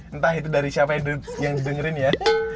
entah itu dari siapa yang didengerin ya